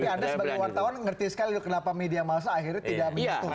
anda sebagai wartawan mengerti sekali kenapa media masa akhirnya tidak menutup